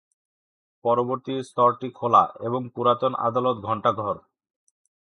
পরবর্তী স্তরটি খোলা এবং পুরাতন আদালত ঘন্টা ঘর।